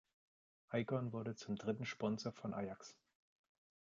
Aegon wurde zum dritten Sponsor von Ajax.